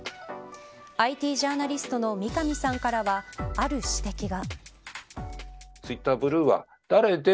ＩＴジャーナリストの三上さんからはある指摘が。